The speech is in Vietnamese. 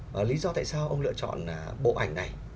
và lý do tại sao ông lựa chọn bộ ảnh này